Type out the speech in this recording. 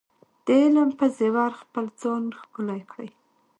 د علم په زیور خپل ځان ښکلی کړئ.